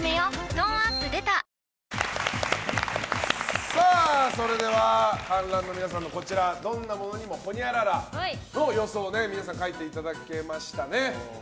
トーンアップ出たそれでは、観覧の皆さんのどんな物にもほにゃららの予想を書いていただけましたね。